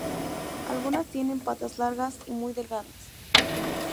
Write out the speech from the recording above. Algunas tienen patas largas y muy delgadas.